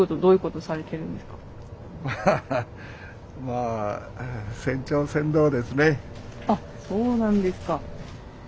あっそうなんですか。